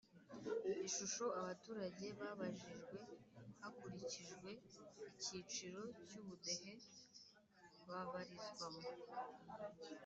Ishusho Abaturage Babajijwe Hakurikijwe Icyiciro Cy Ubudehe Babarizwamo